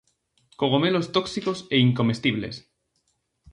Cogomelos tóxicos e incomestibles.